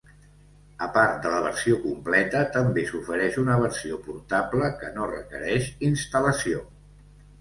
A part de la versió completa també s'ofereix una versió portable que no requereix instal·lació.